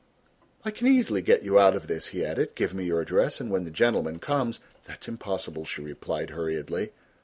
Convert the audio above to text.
"I can easily get you out of this," he added; "give me your address and when the gentleman comes " "That is impossible," she replied hurriedly.